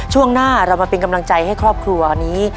ช่วงหน้าเรามาเป็นกำลังใจให้ครอบครัวนี้